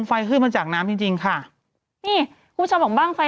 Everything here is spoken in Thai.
แล้วมันไม่ได้เป็นซีนตุ้ม